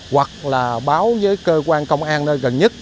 hoặc là báo với cơ quan công an nơi gần nhất